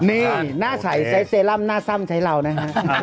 นี่หน้าใสใช้เซรั่มหน้าซ่ำใช้เรานะฮะ